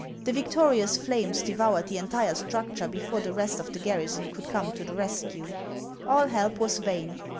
The victori ous flames devoured the entire structure before the rest of the garrison could come to the rescue. All help was vain.